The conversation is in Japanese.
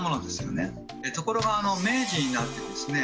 ところが明治になってですね